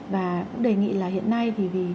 và cũng đề nghị là hiện nay